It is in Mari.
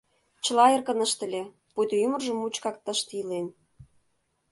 Чыла эркын ыштыле, пуйто ӱмыржӧ мучкак тыште илен.